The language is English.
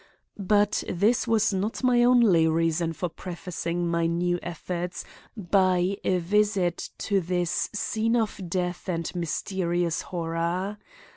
But this was not my only reason for prefacing my new efforts by a visit to this scene of death and mysterious horror.